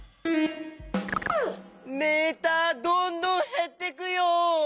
メーターどんどんへってくよ。